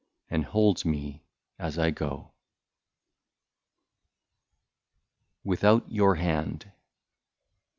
And holds me as I go. 1/2 WITHOUT YOUR HAND.